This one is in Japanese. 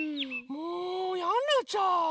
もうやんなっちゃう！